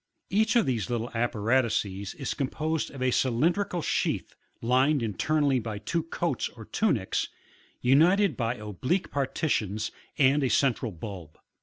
Each one of these little apparatuses is composed of a cylindrical sheath, lined internally by two coats or tunics, united by oblique partitions, and a central bulb.